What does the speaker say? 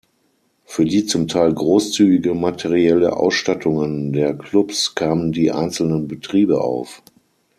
Für die zum Teil großzügige materielle Ausstattungen der Klubs kamen die einzelnen Betriebe auf.